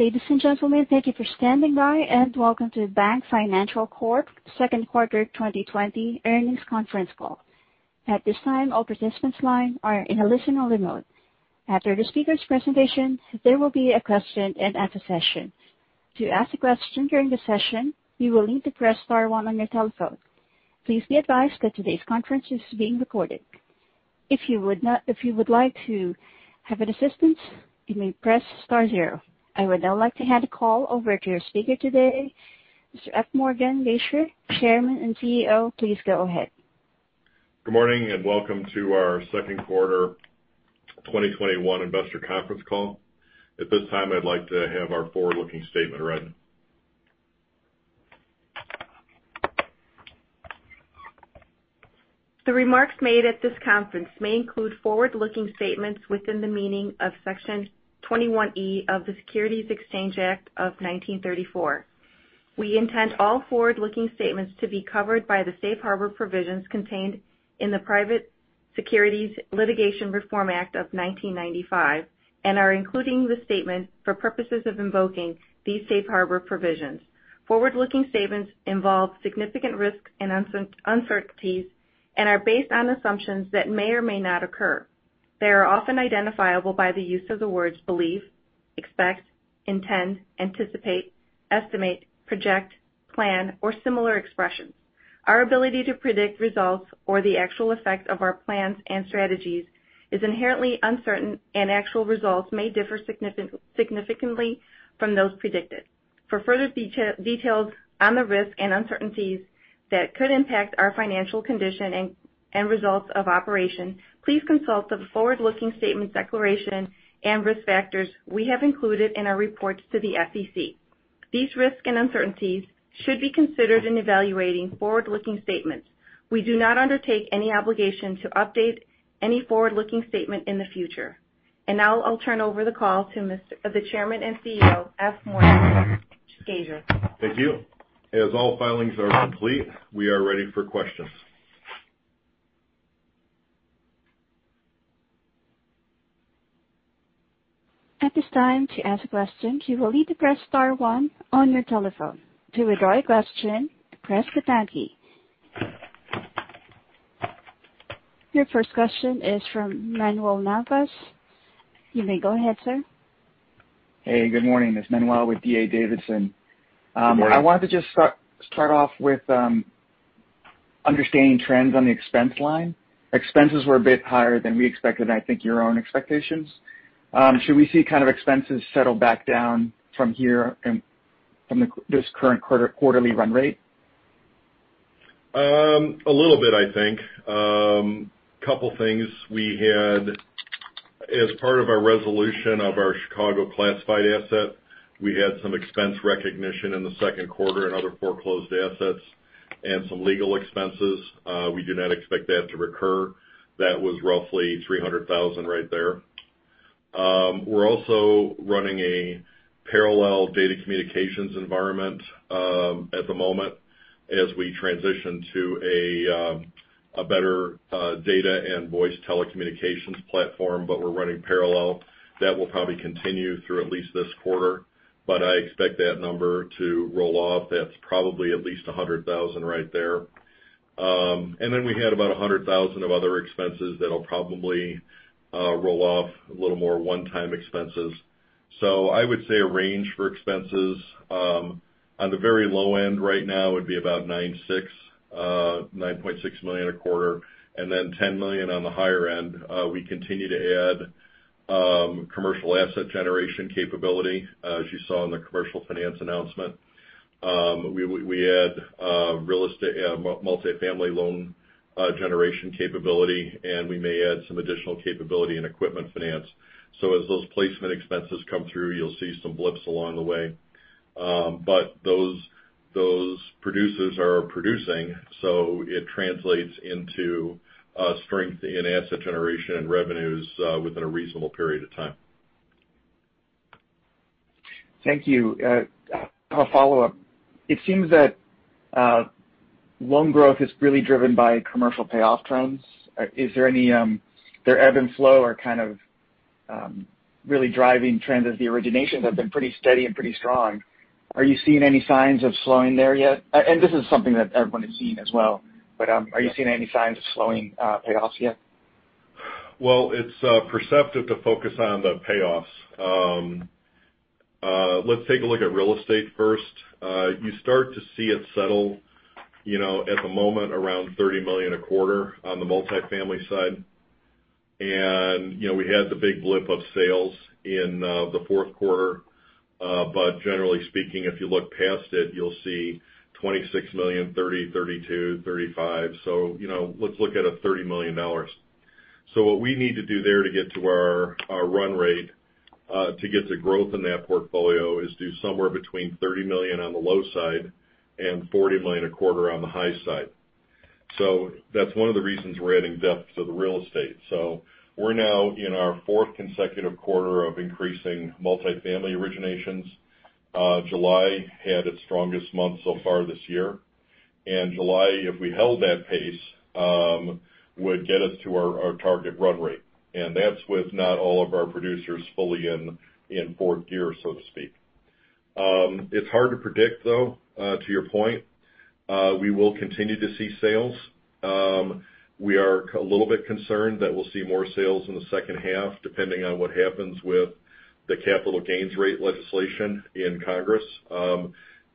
Ladies and gentlemen, thank you for standing by, and welcome to the BankFinancial Corp. second quarter 2021 earnings conference call. At this time, all participants line are in a listen-only mode. After the speakers' presentation, there will be a question and answer session. To ask a question during the session, you will need to press star one on your telephone. Please be advised that today's conference is being recorded. If you would like to have an assistance, you may press star zero. I would now like to hand the call over to your speaker today, Mr. F. Morgan Gasior, Chairman and CEO. Please go ahead. Good morning, and welcome to our second quarter 2021 investor conference call. At this time, I'd like to have our forward-looking statement read. The remarks made at this conference may include forward-looking statements within the meaning of Section 21E of the Securities Exchange Act of 1934. We intend all forward-looking statements to be covered by the safe harbor provisions contained in the Private Securities Litigation Reform Act of 1995 and are including the statement for purposes of invoking these safe harbor provisions. Forward-looking statements involve significant risks and uncertainties and are based on assumptions that may or may not occur. They are often identifiable by the use of the words believe, expect, intend, anticipate, estimate, project, plan, or similar expressions. Our ability to predict results or the actual effect of our plans and strategies is inherently uncertain, and actual results may differ significantly from those predicted. For further details on the risks and uncertainties that could impact our financial condition and results of operation, please consult the forward-looking statements declaration and risk factors we have included in our reports to the SEC. These risks and uncertainties should be considered in evaluating forward-looking statements. We do not undertake any obligation to update any forward-looking statement in the future. Now I'll turn over the call to the Chairman and CEO, F. Morgan Gasior. Thank you. As all filings are complete, we are ready for questions. At this time, to ask a question you will need to press star one on your telephone. To withdraw your question, press the pound key. Your first question is from Manuel Navas. You may go ahead, sir. Hey, good morning. It's Manuel with D.A. Davidson. Good morning. I wanted to just start off with understanding trends on the expense line. Expenses were a bit higher than we expected, and I think your own expectations. Should we see expenses settle back down from here and from this current quarterly run rate? A little bit, I think. Couple things. As part of our resolution of our Chicago classified asset, we had some expense recognition in the second quarter and other foreclosed assets and some legal expenses. We do not expect that to recur. That was roughly $300,000 right there. We're also running a parallel data communications environment at the moment as we transition to a better data and voice telecommunications platform, but we're running parallel. That will probably continue through at least this quarter, but I expect that number to roll off. That's probably at least $100,000 right there. We had about $100,000 of other expenses that'll probably roll off, a little more one-time expenses. I would say a range for expenses, on the very low end right now would be about $9.6 million a quarter, and then $10 million on the higher end. We continue to add commercial asset generation capability, as you saw in the commercial finance announcement. We add multifamily loan generation capability, and we may add some additional capability in equipment finance. As those placement expenses come through, you'll see some blips along the way. Those producers are producing, so it translates into strength in asset generation and revenues within a reasonable period of time. Thank you. A follow-up. It seems that loan growth is really driven by commercial payoff trends. Their ebb and flow are really driving trends as the originations have been pretty steady and pretty strong. Are you seeing any signs of slowing there yet? This is something that everyone is seeing as well, but are you seeing any signs of slowing payoffs yet? Well, it's perceptive to focus on the payoffs. Let's take a look at real estate first. You start to see it settle at the moment around $30 million a quarter on the multifamily side. We had the big blip of sales in the fourth quarter. Generally speaking, if you look past it, you'll see $26 million, $30 million, $32 million, $35 million. Let's look at a $30 million. What we need to do there to get to our run rate to get the growth in that portfolio is do somewhere between $30 million on the low side and $40 million a quarter on the high side. That's one of the reasons we're adding depth to the real estate. We're now in our fourth consecutive quarter of increasing multifamily originations. July had its strongest month so far this year. July, if we held that pace, would get us to our target run rate. That's with not all of our producers fully in fourth gear, so to speak. It's hard to predict, though, to your point. We will continue to see sales. We are a little bit concerned that we'll see more sales in the second half, depending on what happens with the capital gains rate legislation in Congress.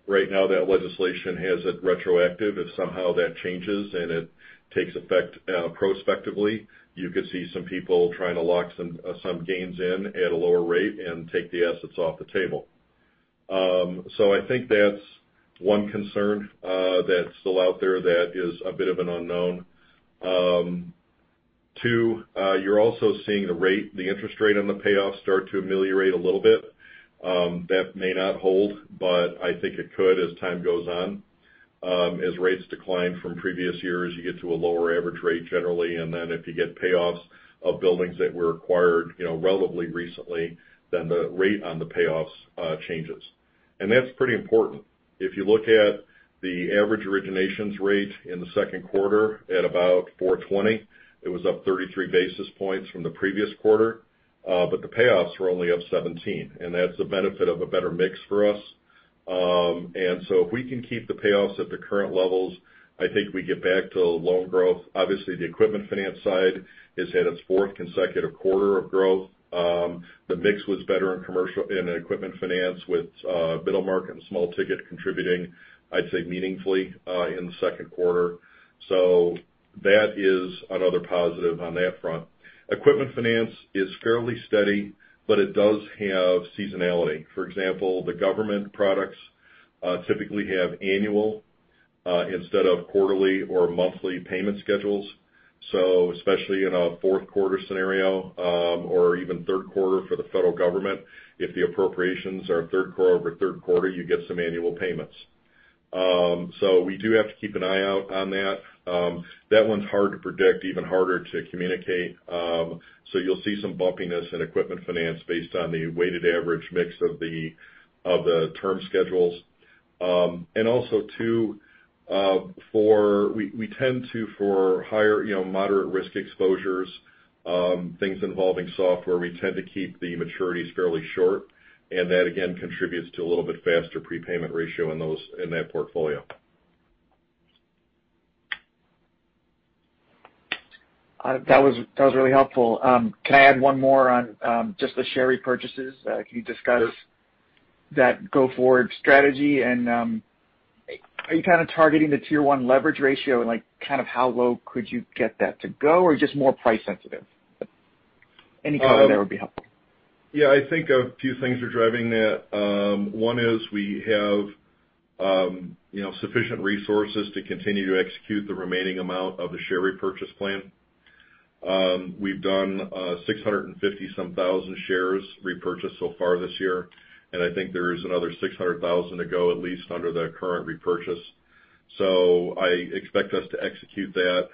Right now, that legislation has it retroactive. If somehow that changes and it takes effect prospectively, you could see some people trying to lock some gains in at a lower rate and take the assets off the table. I think that's one concern that's still out there that is a bit of an unknown. Two, you're also seeing the interest rate on the payoffs start to ameliorate a little bit. That may not hold, but I think it could as time goes on. As rates decline from previous years, you get to a lower average rate generally, and then if you get payoffs of buildings that were acquired relatively recently, then the rate on the payoffs changes. That's pretty important. If you look at the average originations rate in the second quarter at about 420, it was up 33 basis points from the previous quarter. The payoffs were only up 17, and that's the benefit of a better mix for us. If we can keep the payoffs at the current levels, I think we get back to loan growth. Obviously, the equipment finance side is at its fourth consecutive quarter of growth. The mix was better in equipment finance with middle market and small ticket contributing, I'd say meaningfully, in the second quarter. That is another positive on that front. Equipment finance is fairly steady, but it does have seasonality. For example, the government products typically have annual instead of quarterly or monthly payment schedules. Especially in a fourth quarter scenario, or even third quarter for the federal government, if the appropriations are third quarter over third quarter, you get some annual payments. We do have to keep an eye out on that. That one's hard to predict, even harder to communicate. You'll see some bumpiness in equipment finance based on the weighted average mix of the term schedules. Also two, we tend to, for higher moderate risk exposures, things involving software, we tend to keep the maturities fairly short, and that again contributes to a little bit faster prepayment ratio in that portfolio. That was really helpful. Can I add one more on just the share repurchases? Can you discuss that go forward strategy, and are you kind of targeting the tier 1 leverage ratio and how low could you get that to go or are you just more price sensitive? Any comment there would be helpful. Yeah, I think a few things are driving that. One is we have sufficient resources to continue to execute the remaining amount of the share repurchase plan. We've done 650,000 some shares repurchase so far this year, and I think there is another 600,000 to go at least under the current repurchase. I expect us to execute that.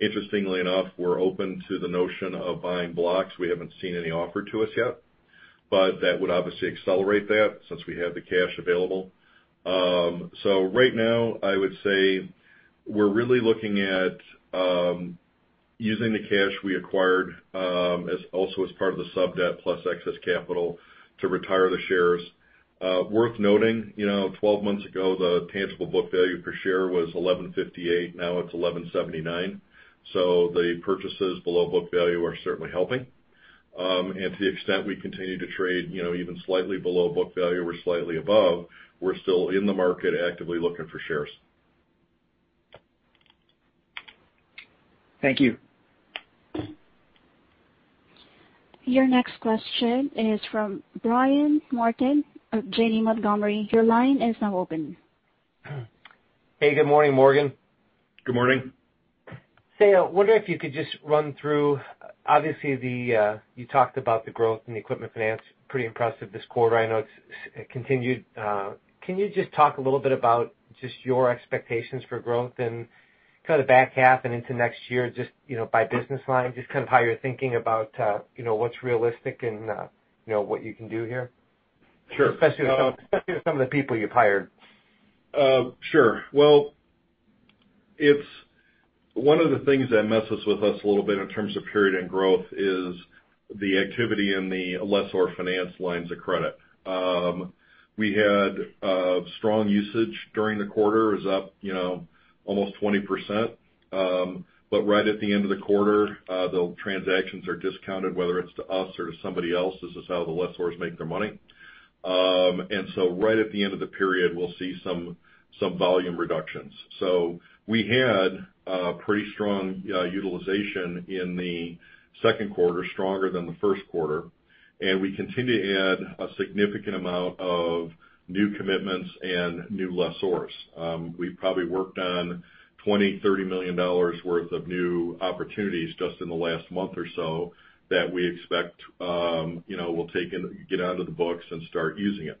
Interestingly enough, we're open to the notion of buying blocks. We haven't seen any offered to us yet. That would obviously accelerate that since we have the cash available. Right now, I would say we're really looking at using the cash we acquired also as part of the sub-debt plus excess capital to retire the shares. Worth noting, 12 months ago, the tangible book value per share was $11.58. Now it's $11.79. The purchases below book value are certainly helping. To the extent we continue to trade even slightly below book value or slightly above, we're still in the market actively looking for shares. Thank you. Your next question is from Brian Martin of Janney Montgomery. Your line is now open. Hey, good morning, Morgan. Good morning. I wonder if you could just run through, obviously you talked about the growth in the equipment finance, pretty impressive this quarter. I know it's continued. Can you just talk a little bit about just your expectations for growth in kind of the back half and into next year, just by business line, just kind of how you're thinking about what's realistic and what you can do here? Sure. Especially with some of the people you've hired. Sure. Well, one of the things that messes with us a little bit in terms of period end growth is the activity in the lessor finance lines of credit. We had strong usage during the quarter. It was up almost 20%. Right at the end of the quarter, the transactions are discounted, whether it's to us or to somebody else. This is how the lessors make their money. Right at the end of the period, we'll see some volume reductions. We had pretty strong utilization in the second quarter, stronger than the first quarter, and we continue to add a significant amount of new commitments and new lessors. We've probably worked on $20 million, $30 million worth of new opportunities just in the last month or so that we expect will get onto the books and start using it.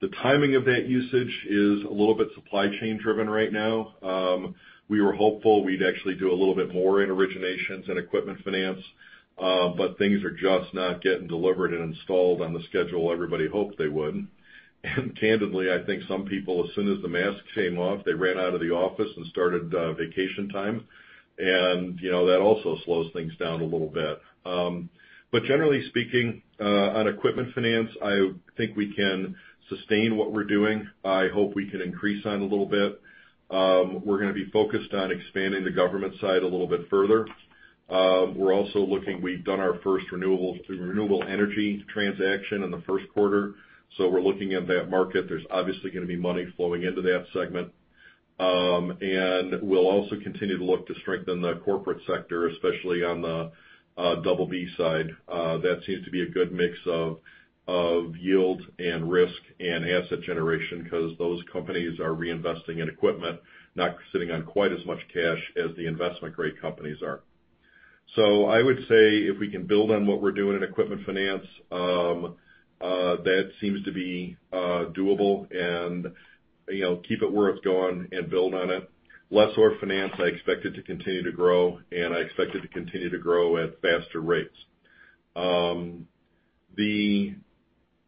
The timing of that usage is a little bit supply chain driven right now. We were hopeful we'd actually do a little bit more in originations and equipment finance, but things are just not getting delivered and installed on the schedule everybody hoped they would. Candidly, I think some people, as soon as the mask came off, they ran out of the office and started vacation time. That also slows things down a little bit. Generally speaking, on equipment finance, I think we can sustain what we're doing. I hope we can increase on it a little bit. We're going to be focused on expanding the government side a little bit further. We've done our first renewable energy transaction in the first quarter. We're looking at that market. There's obviously going to be money flowing into that segment. We'll also continue to look to strengthen the corporate sector, especially on the BB side. That seems to be a good mix of yield and risk and asset generation because those companies are reinvesting in equipment, not sitting on quite as much cash as the investment-grade companies are. I would say if we can build on what we're doing in equipment finance, that seems to be doable and keep it where it's going and build on it. Lesser finance, I expect it to continue to grow, and I expect it to continue to grow at faster rates. The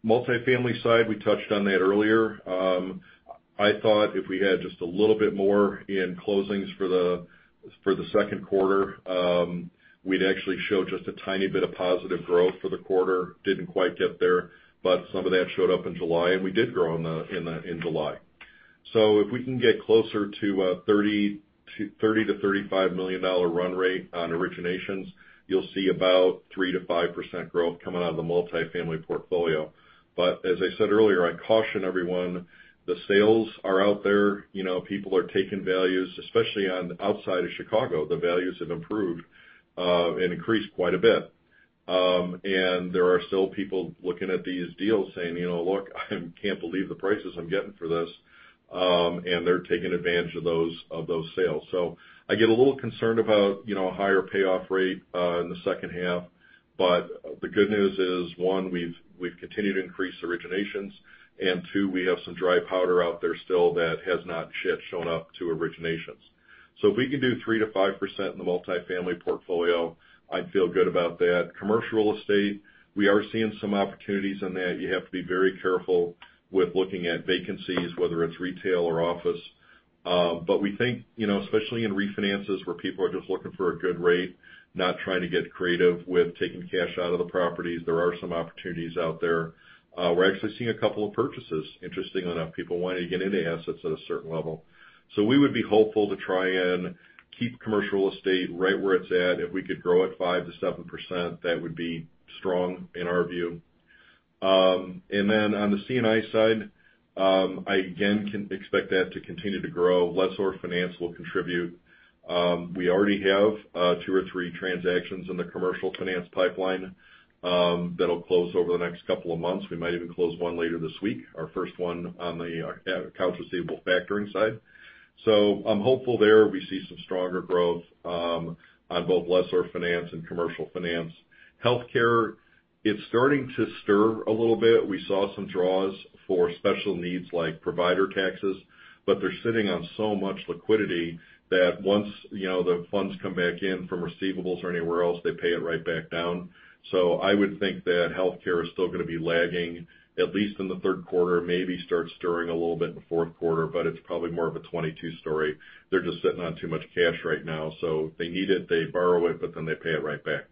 multifamily side, we touched on that earlier. I thought if we had just a little bit more in closings for the second quarter, we'd actually show just a tiny bit of positive growth for the quarter. Didn't quite get there, but some of that showed up in July, and we did grow in July. If we can get closer to a $30 to 35 million run rate on originations, you'll see about 3% to 5% growth coming out of the multifamily portfolio. As I said earlier, I caution everyone the sales are out there. People are taking values, especially on outside of Chicago, the values have improved and increased quite a bit. There are still people looking at these deals saying, "Look, I can't believe the prices I'm getting for this." They're taking advantage of those sales. I get a little concerned about a higher payoff rate in the second half. The good news is, one, we've continued to increase originations. Two, we have some dry powder out there still that has not yet shown up to originations. If we can do 3% to 5% in the multifamily portfolio, I'd feel good about that. Commercial real estate, we are seeing some opportunities in that. You have to be very careful with looking at vacancies, whether it's retail or office. We think, especially in refinances where people are just looking for a good rate, not trying to get creative with taking cash out of the properties, there are some opportunities out there. We're actually seeing a couple of purchases, interestingly enough, people wanting to get into assets at a certain level. We would be hopeful to try and keep commercial estate right where it's at. If we could grow at 5% to 7%, that would be strong in our view. On the C&I side, I again can expect that to continue to grow. Lessor finance will contribute. We already have two or three transactions in the commercial finance pipeline that'll close over the next couple of months. We might even close one later this week, our first one on the accounts receivable factoring side. I'm hopeful there we see some stronger growth on both lessor finance and commercial finance. Healthcare, it's starting to stir a little bit. We saw some draws for special needs like provider taxes, but they're sitting on so much liquidity that once the funds come back in from receivables or anywhere else, they pay it right back down. I would think that healthcare is still going to be lagging, at least in the third quarter, maybe start stirring a little bit in the fourth quarter, but it's probably more of a 2022 story. They're just sitting on too much cash right now. If they need it, they borrow it, but then they pay it right back.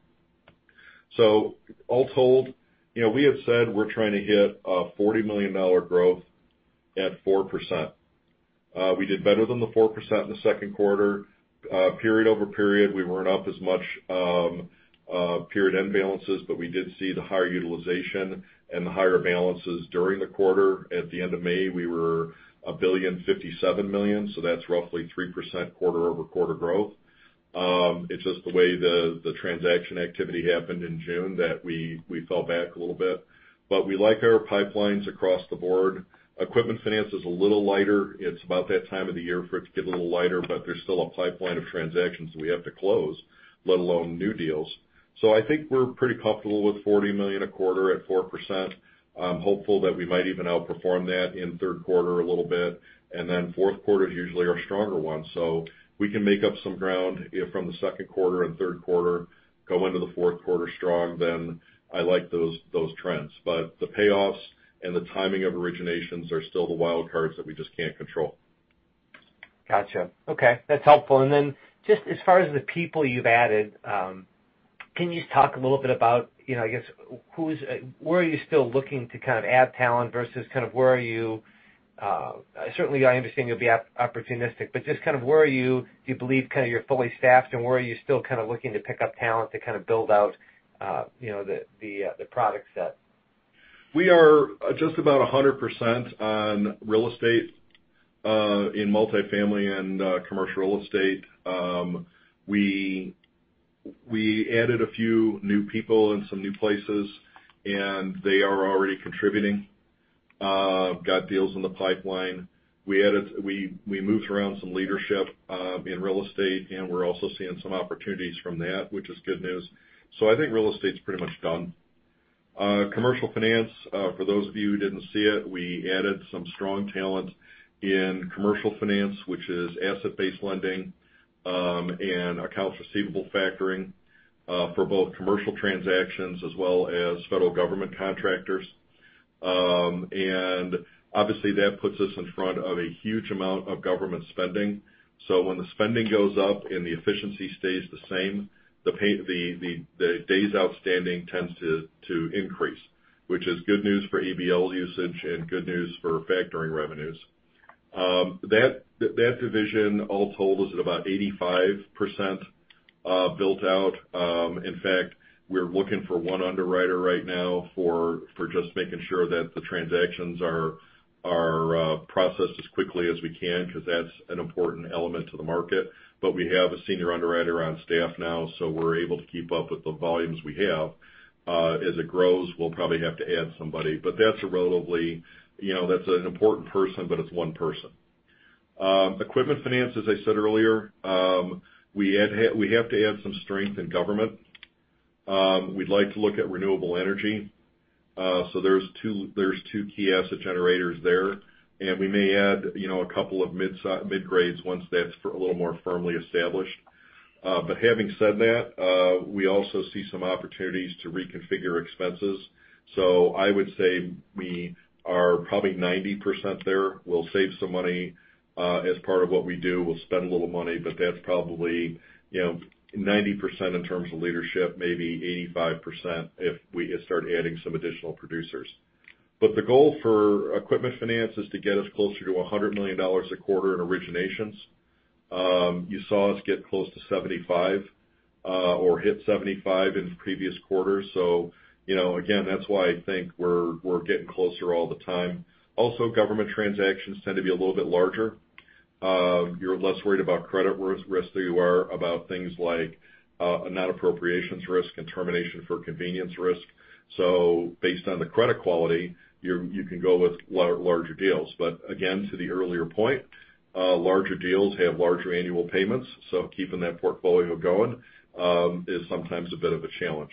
All told, we have said we're trying to hit a $40 million growth at 4%. We did better than the 4% in the second quarter. Period-over-period, we weren't up as much period-end balances, but we did see the higher utilization and the higher balances during the quarter. At the end of May, we were $1,057,000,000. That's roughly 3% quarter-over-quarter growth. It's just the way the transaction activity happened in June that we fell back a little bit. We like our pipelines across the board. Equipment finance is a little lighter. It's about that time of the year for it to get a little lighter, but there's still a pipeline of transactions that we have to close, let alone new deals. I think we're pretty comfortable with $40 million a quarter at 4%. I'm hopeful that we might even outperform that in the third quarter a little bit. Fourth quarter is usually our stronger one. We can make up some ground from the second quarter and third quarter, go into the fourth quarter strong, then I like those trends. The payoffs and the timing of originations are still the wild cards that we just can't control. Got you. Okay. That's helpful. Just as far as the people you've added, can you talk a little bit about where are you still looking to add talent versus Certainly, I understand you'll be opportunistic, but just where are you? Do you believe you're fully staffed, and where are you still looking to pick up talent to build out the product set? We are just about 100% on real estate in multifamily and commercial real estate. We added a few new people in some new places, and they are already contributing. Got deals in the pipeline. We moved around some leadership in real estate, and we're also seeing some opportunities from that, which is good news. I think real estate's pretty much done. Commercial finance, for those of you who didn't see it, we added some strong talent in commercial finance, which is asset-based lending, and accounts receivable factoring, for both commercial transactions as well as federal government contractors. Obviously that puts us in front of a huge amount of government spending. When the spending goes up and the efficiency stays the same, the days outstanding tends to increase, which is good news for ABL usage and good news for factoring revenues. That division all told is at about 85% built out. In fact, we're looking for one underwriter right now for just making sure that the transactions are processed as quickly as we can, because that's an important element to the market. We have a senior underwriter on staff now, so we're able to keep up with the volumes we have. As it grows, we'll probably have to add somebody. That's an important person, but it's 1 person. Equipment finance, as I said earlier, we have to add some strength in government. We'd like to look at renewable energy. There's key key asset generators there, and we may add a couple of mid-grades once that's a little more firmly established. Having said that, we also see some opportunities to reconfigure expenses. I would say we are probably 90% there. We'll save some money as part of what we do. We'll spend a little money, but that's probably 90% in terms of leadership, maybe 85% if we start adding some additional producers. The goal for equipment finance is to get us closer to $100 million a quarter in originations. You saw us get close to $75 million, or hit $75 million in the previous quarter. Again, that's why I think we're getting closer all the time. Also, government transactions tend to be a little bit larger. You're less worried about credit risk than you are about things like non-appropriations risk and termination for convenience risk. Based on the credit quality, you can go with larger deals. Again, to the earlier point, larger deals have larger annual payments, so keeping that portfolio going is sometimes a bit of a challenge.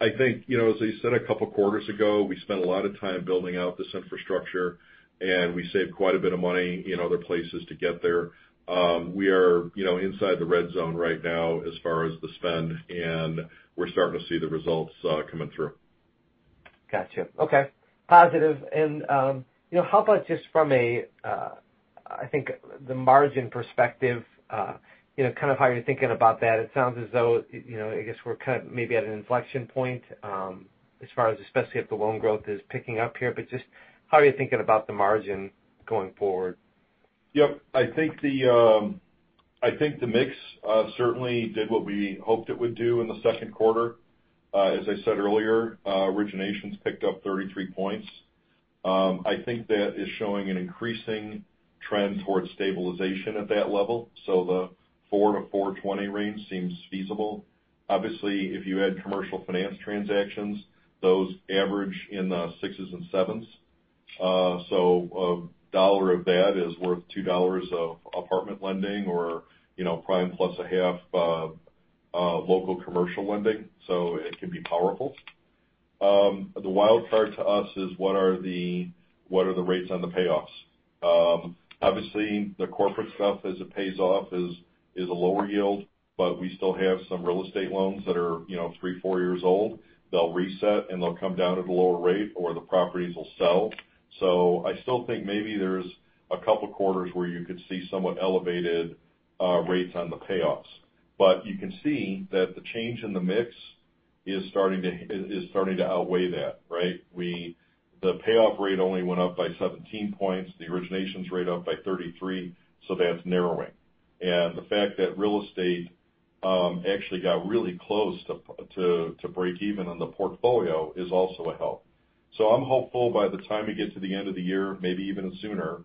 I think, as I said a couple of quarters ago, we spent a lot of time building out this infrastructure, and we saved quite a bit of money in other places to get there. We are inside the red zone right now as far as the spend, and we're starting to see the results coming through. Got you. Okay. Positive. How about just from a, I think, the margin perspective, how are you thinking about that? It sounds as though, I guess, we're maybe at an inflection point as far as, especially if the loan growth is picking up here. Just how are you thinking about the margin going forward? Yep. I think the mix certainly did what we hoped it would do in the second quarter. As I said earlier, originations picked up 33 points. I think that is showing an increasing trend towards stabilization at that level. The 4-420 range seems feasible. Obviously, if you add commercial finance transactions, those average in the sixes and sevens. A dollar of that is worth $2 of apartment lending or, prime plus a half local commercial lending. It can be powerful. The wild card to us is what are the rates on the payoffs? Obviously, the corporate stuff as it pays off is a lower yield. We still have some real estate loans that are three, four years old. They'll reset. They'll come down at a lower rate or the properties will sell. I still think maybe there's a couple quarters where you could see somewhat elevated rates on the payoffs. You can see that the change in the mix is starting to outweigh that, right? The payoff rate only went up by 17 points. The originations rate up by 33. That's narrowing. The fact that real estate actually got really close to break even on the portfolio is also a help. I'm hopeful by the time we get to the end of the year, maybe even sooner,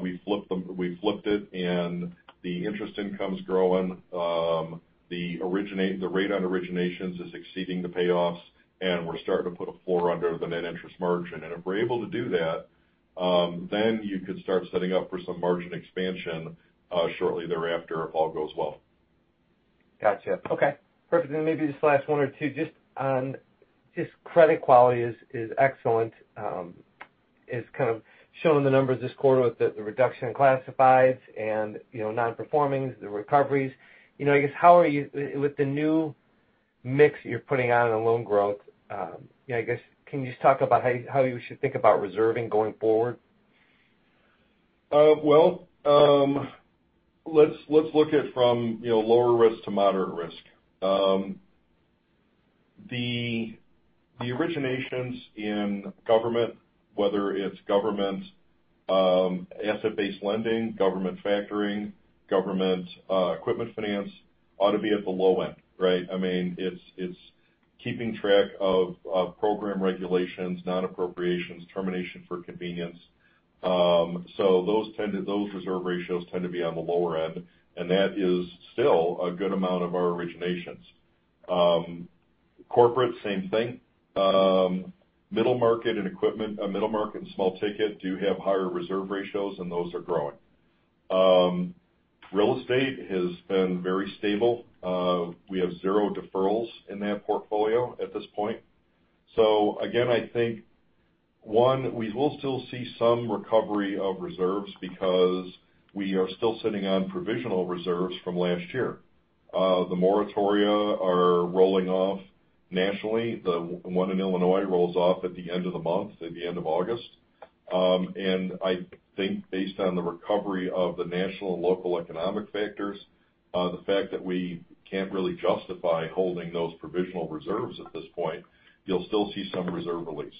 we've flipped it, and the interest income's growing. The rate on originations is exceeding the payoffs, and we're starting to put a floor under the net interest margin. If we're able to do that, then you could start setting up for some margin expansion shortly thereafter if all goes well. Got you. Okay. Perfect. Maybe just last one or two just on, just credit quality is excellent. It's kind of showing the numbers this quarter with the reduction in classifieds and non-performings, the recoveries. I guess with the new mix you're putting out on the loan growth, I guess, can you just talk about how you should think about reserving going forward? Well, let's look at it from lower risk to moderate risk. The originations in government, whether it's government asset-based lending, government factoring, government equipment finance, ought to be at the low end, right? It's keeping track of program regulations, non-appropriations, termination for convenience. Those reserve ratios tend to be on the lower end, and that is still a good amount of our originations. Corporate, same thing. Middle market and small ticket do have higher reserve ratios, and those are growing. Real estate has been very stable. We have 0 deferrals in that portfolio at this point. Again, I think, 1, we will still see some recovery of reserves because we are still sitting on provisional reserves from last year. The moratoria are rolling off nationally. The one in Illinois rolls off at the end of the month, at the end of August. I think based on the recovery of the national and local economic factors, the fact that we can't really justify holding those provisional reserves at this point, you'll still see some reserve release.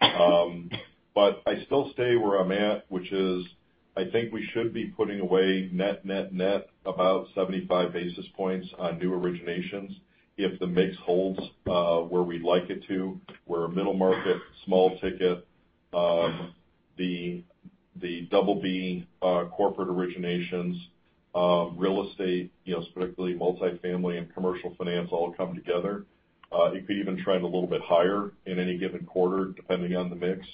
I still stay where I'm at, which is, I think we should be putting away net about 75 basis points on new originations if the mix holds where we'd like it to, where middle market, small ticket, the BB corporate originations, real estate, specifically multifamily and commercial finance, all come together. It could even trend a little bit higher in any given quarter, depending on the mix.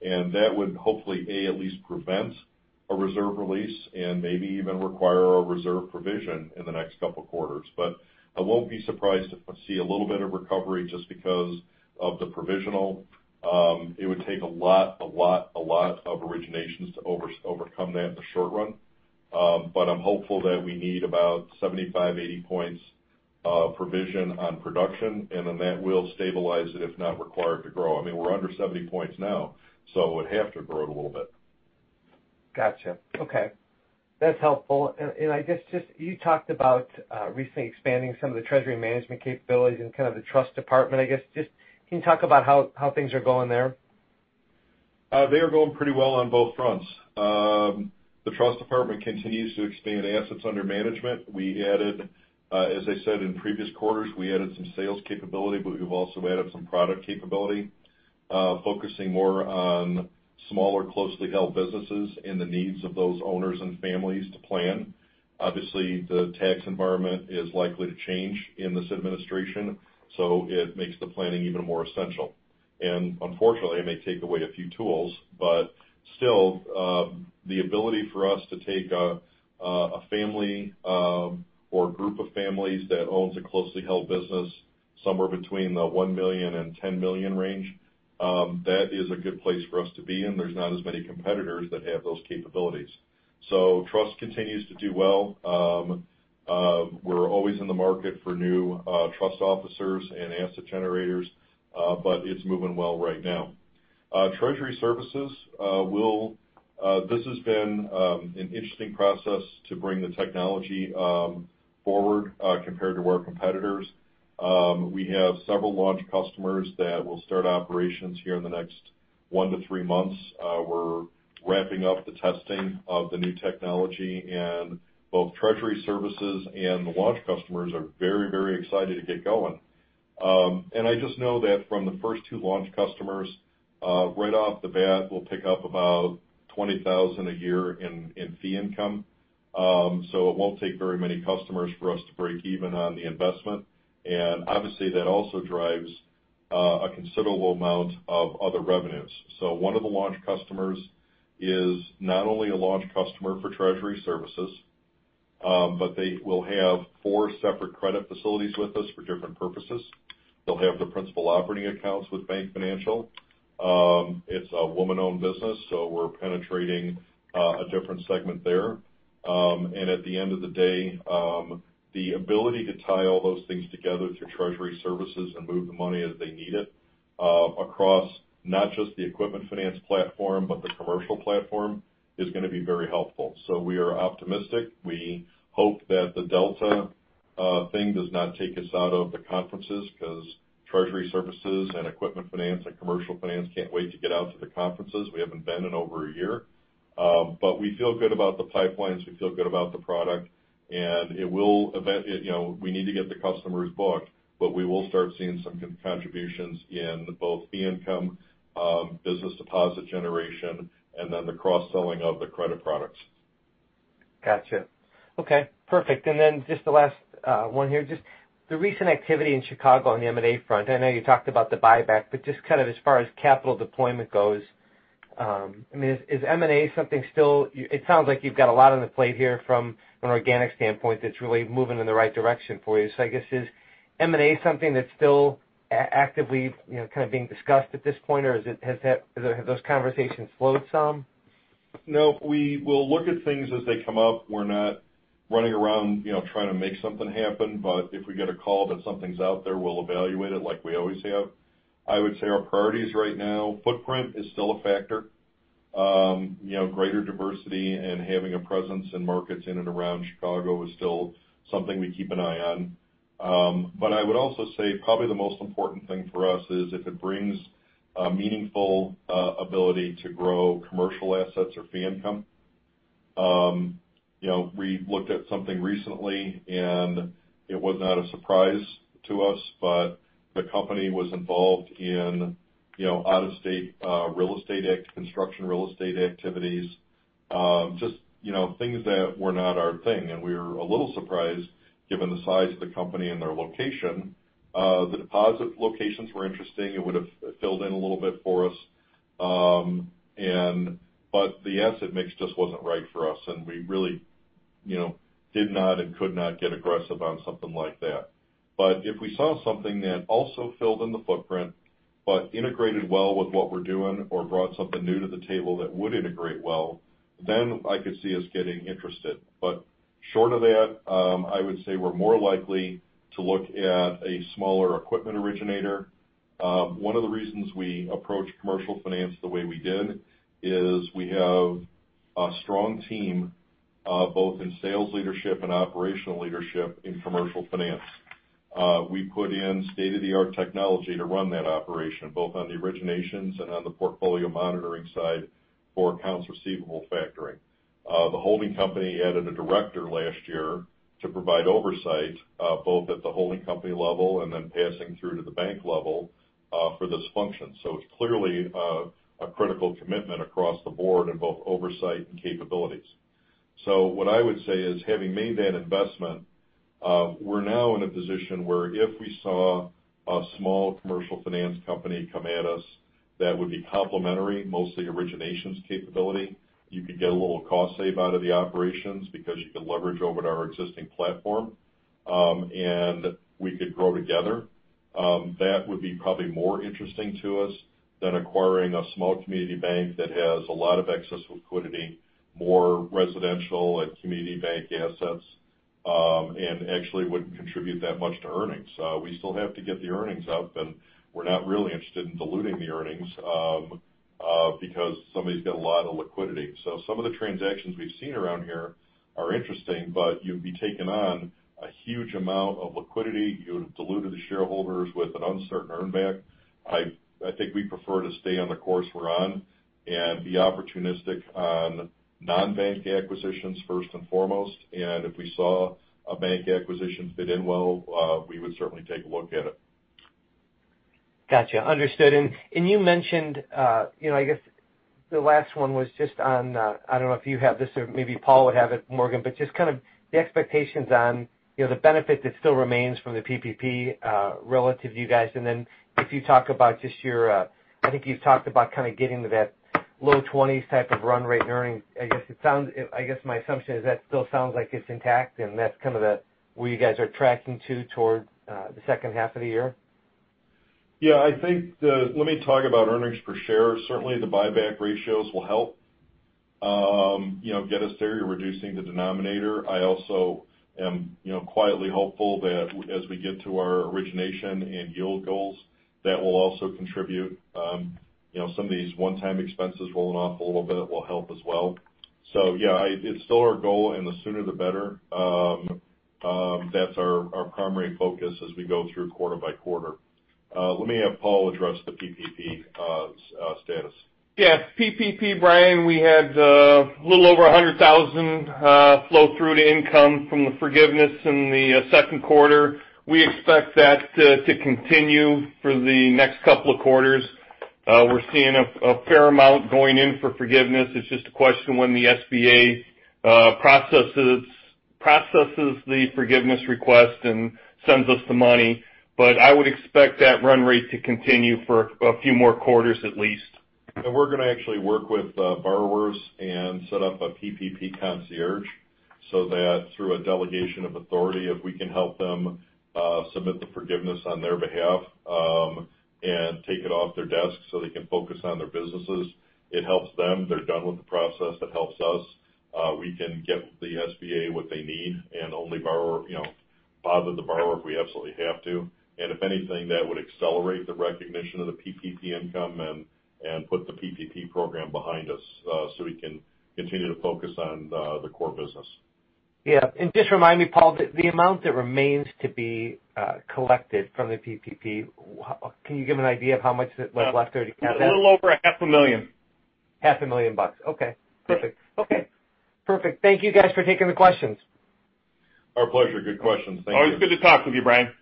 That would hopefully, A, at least prevent a reserve release and maybe even require a reserve provision in the next couple of quarters. I won't be surprised if I see a little bit of recovery just because of the provisional. It would take a lot of originations to overcome that in the short run. I'm hopeful that we need about 75, 80 points of provision on production, and then that will stabilize it, if not require it to grow. I mean, we're under 70 points now, so it would have to grow it a little bit. Got you. Okay. That's helpful. You talked about recently expanding some of the treasury management capabilities and kind of the trust department, I guess. Just, can you talk about how things are going there? They are going pretty well on both fronts. The trust department continues to expand assets under management. As I said, in previous quarters, we added some sales capability, but we've also added some product capability, focusing more on smaller, closely held businesses and the needs of those owners and families to plan. Obviously, the tax environment is likely to change in this administration, so it makes the planning even more essential. Unfortunately, it may take away a few tools. Still, the ability for us to take a family or group of families that owns a closely held business somewhere between the $1 million and $10 million range, that is a good place for us to be in. There's not as many competitors that have those capabilities. Trust continues to do well. We're always in the market for new trust officers and asset generators, but it's moving well right now. Treasury services. This has been an interesting process to bring the technology forward compared to our competitors. We have several launch customers that will start operations here in the next one to three months. We're wrapping up the testing of the new technology, and both treasury services and the launch customers are very excited to get going. I just know that from the first two launch customers, right off the bat, we'll pick up about $20,000 a year in fee income. It won't take very many customers for us to break even on the investment. Obviously, that also drives a considerable amount of other revenues. One of the launch customers is not only a launch customer for Treasury services, but they will have four separate credit facilities with us for different purposes. They'll have the principal operating accounts with BankFinancial. It's a woman-owned business, we're penetrating a different segment there. At the end of the day, the ability to tie all those things together through Treasury services and move the money as they need it across not just the equipment finance platform, but the commercial platform, is going to be very helpful. We are optimistic. We hope that the Delta thing does not take us out of the conferences because Treasury services and equipment finance and commercial finance can't wait to get out to the conferences. We haven't been in over a year. We feel good about the pipelines. We feel good about the product, and we need to get the customers booked. We will start seeing some contributions in both fee income, business deposit generation, and then the cross-selling of the credit products. Got you. Okay, perfect. Just the last one here. Just the recent activity in Chicago on the M&A front. I know you talked about the buyback, but just kind of as far as capital deployment goes, I mean, it sounds like you've got a lot on the plate here from an organic standpoint that's really moving in the right direction for you. I guess, is M&A something that's still actively kind of being discussed at this point, or have those conversations slowed some? No, we will look at things as they come up. We're not running around trying to make something happen. If we get a call that something's out there, we'll evaluate it like we always have. I would say our priorities right now, footprint is still a factor. Greater diversity and having a presence in markets in and around Chicago is still something we keep an eye on. I would also say probably the most important thing for us is if it brings a meaningful ability to grow commercial assets or fee income. We looked at something recently, and it was not a surprise to us, but the company was involved in out-of-state construction real estate activities. Just things that were not our thing, and we were a little surprised given the size of the company and their location. The deposit locations were interesting. It would've filled in a little bit for us. The asset mix just wasn't right for us, and we really did not and could not get aggressive on something like that. If we saw something that also filled in the footprint, but integrated well with what we're doing or brought something new to the table that would integrate well, then I could see us getting interested. Short of that, I would say we're more likely to look at a smaller equipment originator. One of the reasons we approached commercial finance the way we did is we have a strong team, both in sales leadership and operational leadership in commercial finance. We put in state-of-the-art technology to run that operation, both on the originations and on the portfolio monitoring side for accounts receivable factoring. The holding company added one director last year to provide oversight, both at the holding company level and then passing through to the bank level, for this function. It's clearly a critical commitment across the board in both oversight and capabilities. What I would say is having made that investment, we're now in a position where if we saw a small commercial finance company come at us, that would be complementary, mostly originations capability. You could get a little cost save out of the operations because you could leverage over to our existing platform, and we could grow together. That would be probably more interesting to us than acquiring a small community bank that has a lot of excess liquidity, more residential and community bank assets, and actually wouldn't contribute that much to earnings. We still have to get the earnings up, and we're not really interested in diluting the earnings, because somebody's got a lot of liquidity. Some of the transactions we've seen around here are interesting, but you'd be taking on a huge amount of liquidity. You would've diluted the shareholders with an uncertain earn back. I think we prefer to stay on the course we're on and be opportunistic on non-bank acquisitions first and foremost, and if we saw a bank acquisition fit in well, we would certainly take a look at it. Got you. Understood. You mentioned, I guess the last one was just on, I don't know if you have this or maybe Paul would have it, Morgan, but just the expectations on the benefit that still remains from the PPP relative to you guys, and then if you talk about I think you've talked about getting to that low 20s type of run rate earning. I guess my assumption is that still sounds like it's intact, and that's where you guys are tracking to toward the second half of the year? Yeah. Let me talk about earnings per share. Certainly, the buyback ratios will help get us there. You're reducing the denominator. I also am quietly hopeful that as we get to our origination and yield goals, that will also contribute. Some of these one-time expenses rolling off a little bit will help as well. Yeah, it's still our goal and the sooner the better. That's our primary focus as we go through quarter by quarter. Let me have Paul address the PPP status. Yeah. PPP, Brian, we had a little over $100,000 flow through to income from the forgiveness in the second quarter. We expect that to continue for the next two quarters. We're seeing a fair amount going in for forgiveness. It's just a question of when the SBA processes the forgiveness request and sends us the money. I would expect that run rate to continue for a few more quarters at least. We're going to actually work with borrowers and set up a PPP concierge so that through a delegation of authority, if we can help them submit the forgiveness on their behalf, and take it off their desk so they can focus on their businesses, it helps them. They're done with the process. It helps us. We can get the SBA what they need and only bother the borrower if we absolutely have to. If anything, that would accelerate the recognition of the PPP income and put the PPP program behind us, so we can continue to focus on the core business. Yeah. Just remind me, Paul, the amount that remains to be collected from the PPP, can you give an idea of how much is left there to collect? A little over half a million dollars. Half a million bucks. Okay. Yeah. Perfect. Okay. Perfect. Thank you guys for taking the questions. Our pleasure. Good questions. Thank you. Always good to talk with you, Brian.